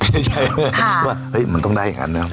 ใช่ว่าเฮ้ยมันต้องได้อย่างนั้นนะครับ